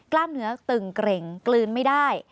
กล้ามเนื้อตึงเกร็งกลืนไม่ได้